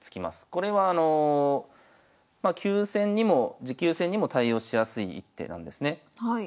これはあの急戦にも持久戦にも対応しやすい一手なんですね。